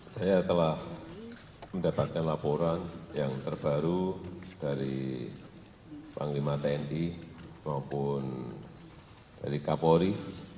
saya telah mendapatkan laporan yang terbaru dari panglima tni maupun dari kapolri